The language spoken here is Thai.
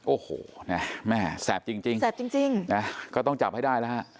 โอ้โหแม่แสบจริงแสบจริงนะก็ต้องจับให้ได้แล้วฮะ